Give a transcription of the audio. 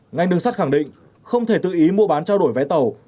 ngành nội sát khẳng định không thể tự ý mua bán trao đổi vé tẩu